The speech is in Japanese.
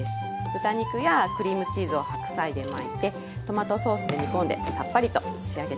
豚肉やクリームチーズを白菜で巻いてトマトソースで煮込んでさっぱりと仕上げています。